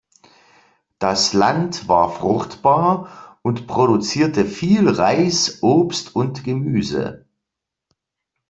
Das Land war fruchtbar und produzierte viel Reis, Obst und Gemüse.